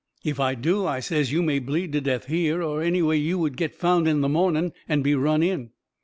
"If I do," I says, "you may bleed to death here: or anyway you would get found in the morning and be run in."